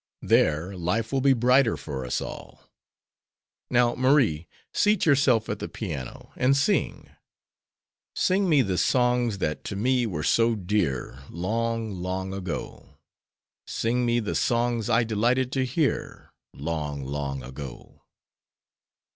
There life will be brighter for us all. Now, Marie, seat yourself at the piano and sing: 'Sing me the songs that to me were so dear, Long, long ago. Sing me the songs I delighted to hear, Long, long ago."